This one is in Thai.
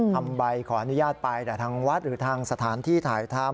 ทำใบขออนุญาตไปแต่ทางวัดหรือทางสถานที่ถ่ายทำ